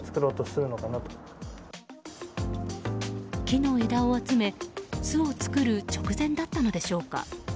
木の枝を集め、巣を作る直前だったのでしょうか。